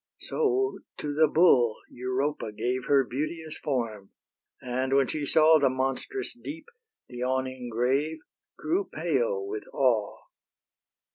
So to the bull Europa gave Her beauteous form, and when she saw The monstrous deep, the yawning grave, Grew pale with awe.